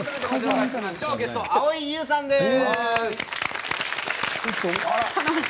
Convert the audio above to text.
ゲストは、蒼井優さんです。